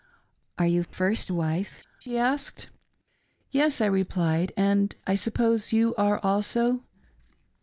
" Are you first wife .''" she asked. " Yes," I replied, " and I suppose you are also